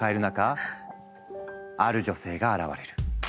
ある女性が現れる。